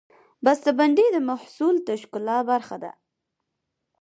بستهبندي د محصول د ښکلا برخه ده.